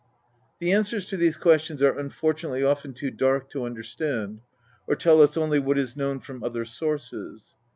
The answers to these questions are unfortunately often too dark to understand, or tell us only what is known from other sources.